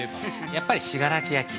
やっぱり信楽焼。